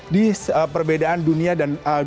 di perbedaan dunia dan dunia